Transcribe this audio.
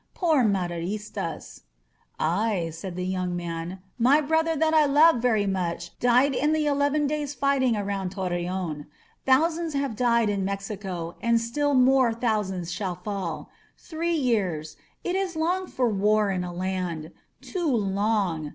Poor Maderistas !'* "Ay, said the young man, "my brother that I loved very much died in the eleven days' fighting around Torreon. Thousands have died in Mexico, and still more thousands shall fall. Three years — ^it is long for war in a land. Too long!"